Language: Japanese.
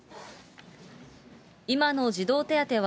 今の児童手当は、